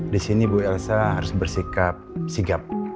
di sini bu elsa harus bersikap sigap